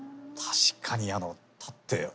確かにあの立って。